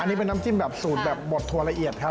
อันนี้เป็นน้ำจิ้มแบบสูตรแบบบดถั่วละเอียดครับ